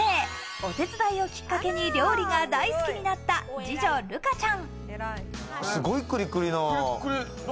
お手伝いをきっかけに料理が大好きになった、二女・瑠花ちゃん。